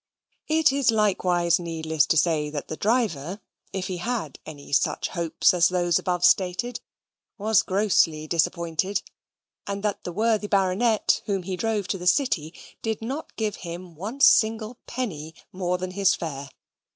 It is likewise needless to say that the driver, if he had any such hopes as those above stated, was grossly disappointed; and that the worthy Baronet whom he drove to the City did not give him one single penny more than his fare.